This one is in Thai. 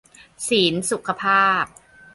ศีลสุขภาพ